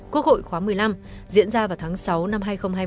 quốc hội khóa một mươi năm diễn ra vào tháng sáu năm hai nghìn hai mươi